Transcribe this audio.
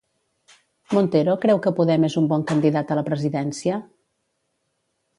Montero creu que Podem és un bon candidat a la presidència?